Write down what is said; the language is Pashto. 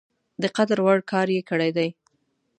د قدر وړ کار یې کړی دی.